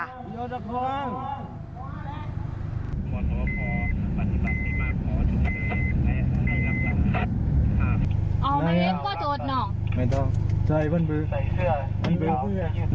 น้องน้องตำรวจดำแล้วกลับไปไหน